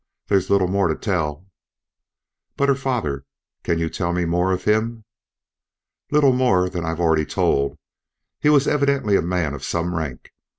"There's little more to tell." "But her father can you tell me more of him?" "Little more than I've already told. He was evidently a man of some rank.